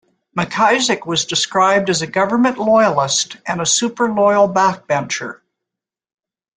McIsaac was described as a 'government loyalist' and a "super loyal backbencher".